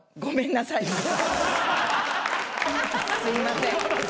すいません。